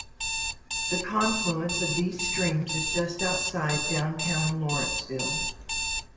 The confluence of these streams is just outside downtown Lawrenceville.